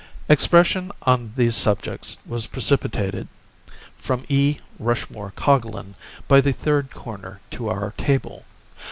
Expression on these subjects was precipitated from E. Rushmore Coglan by the third corner to our table.